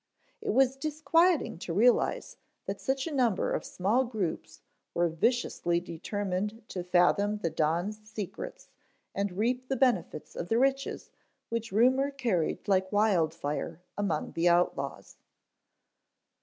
It was disquieting to realize that such a number of small groups were viciously determined to fathom the Don's secrets and reap the benefits of the riches which rumor carried like wild fire among the outlaws.